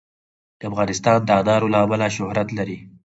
افغانستان د انار له امله شهرت لري.